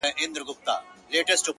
ورور مي دی هغه دی ما خپله وژني ـ